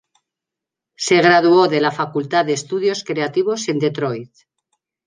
Se graduó de la Facultad de Estudios Creativos en Detroit.